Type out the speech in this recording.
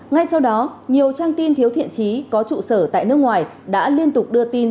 ngay sau đó nhiều trang tin thiếu thiện trí có trụ sở tại nước ngoài đã liên tục đưa tin